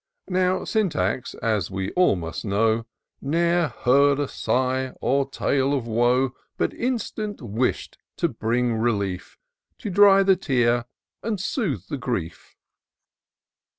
Now Syntax, as we all must know, Ne'er heard a sigh or tale of woe, But instant wish'd to bring relief. To dry the tear and soothe the grief.